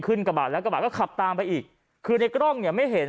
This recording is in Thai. กระบาดแล้วกระบาดก็ขับตามไปอีกคือในกล้องเนี่ยไม่เห็น